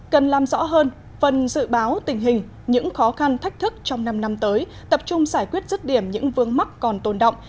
cần làm rõ hơn phần dự báo tình hình những khó khăn thách thức trong năm năm tới tập trung giải quyết rứt điểm những vương mắc còn tồn động